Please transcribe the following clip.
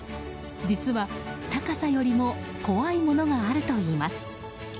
実は、高さよりも怖いものがあるといいます。